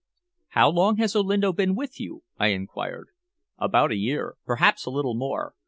"How long has Olinto been with you?" I inquired. "About a year perhaps a little more.